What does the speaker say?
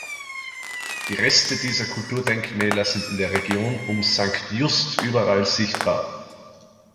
Die Reste dieser Kulturdenkmäler sind in der Region um St Just überall sichtbar.